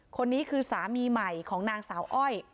คนนี้คือสามีใหม่ของนางสาวอ้อย